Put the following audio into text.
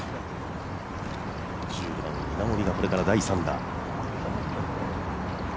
１５番稲森がこれから第３打。